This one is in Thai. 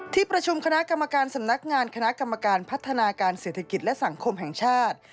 ที่ประชุมคณะกรรมการสำนักงานคณะกรรมการพัฒนาการเศรษฐกิจและสังคมแห่งชาติ